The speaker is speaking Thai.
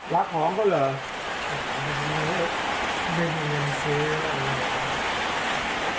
รักหอมเขาเหรอ